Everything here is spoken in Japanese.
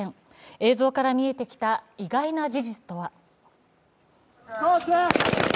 映像から見えてきた意外な事実とは。